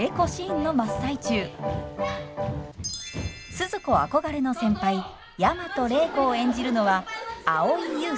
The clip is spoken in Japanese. スズ子憧れの先輩大和礼子を演じるのは蒼井優さん。